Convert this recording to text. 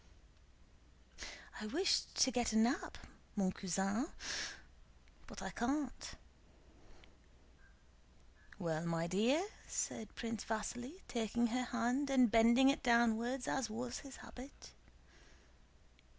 "I wished to get a nap, mon cousin, but I can't." "Well, my dear?" said Prince Vasíli, taking her hand and bending it downwards as was his habit.